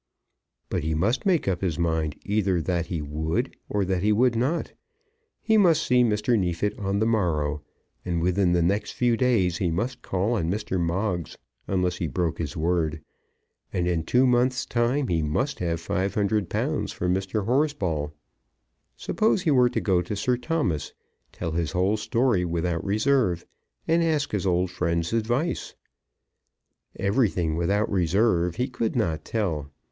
But he must make up his mind either that he would or that he would not. He must see Mr. Neefit on the morrow; and within the next few days he must call on Mr. Moggs, unless he broke his word. And in two months' time he must have £500 for Mr. Horsball. Suppose he were to go to Sir Thomas, tell his whole story without reserve, and ask his old friend's advice! Everything without reserve he could not tell.